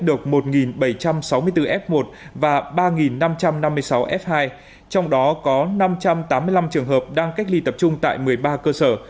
được một bảy trăm sáu mươi bốn f một và ba năm trăm năm mươi sáu f hai trong đó có năm trăm tám mươi năm trường hợp đang cách ly tập trung tại một mươi ba cơ sở